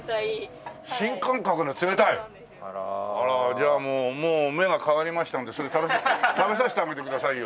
じゃあもう目が変わりましたのでそれ食べさせてあげてくださいよ。